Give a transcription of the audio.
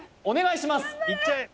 お願いします